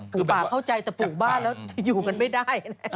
ป่าเข้าใจแต่ปลูกบ้านแล้วจะอยู่กันไม่ได้